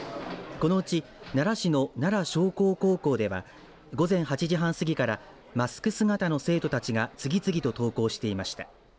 このうち奈良市の奈良商工高校では午前８時半すぎからマスク姿の生徒たちが次々と登校していました。